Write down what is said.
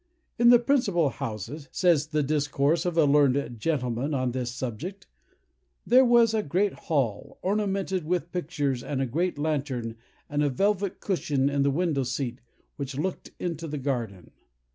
"In the principal houses," says the discourse of a learned gentleman on this subject, "there was a great hall, ornamented with pictures and a great lantern, and a velvet cushion in the window seat which looked into the garden.